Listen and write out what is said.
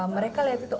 mereka lihat itu